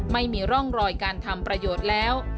ไม่มีร่องรอยการทำประโยชน์แล้ว